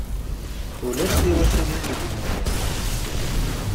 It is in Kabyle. Ulac tiwaculin deg yinurar.